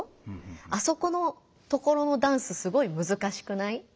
「あそこのところのダンスすごいむずかしくない？」。